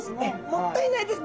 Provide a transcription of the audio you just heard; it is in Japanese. もったいないです。